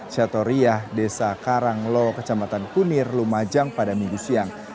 syatoriah desa karanglo kecamatan kunir lumajang pada minggu siang